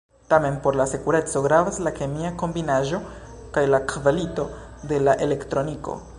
Tamen por sekureco gravas la kemia kombinaĵo kaj la kvalito de la elektroniko.